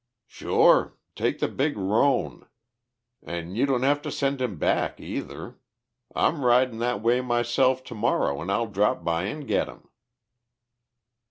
"Sure. Take the big roan. An' you don't have to send him back, either. I'm ridin' that way myself tomorrow, an' I'll drop by an' get him."